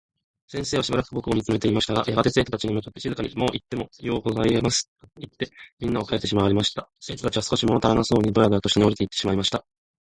先生は暫く僕を見つめていましたが、やがて生徒達に向って静かに「もういってもようございます。」といって、みんなをかえしてしまわれました。生徒達は少し物足らなそうにどやどやと下に降りていってしまいました。